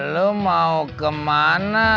lo mau kemana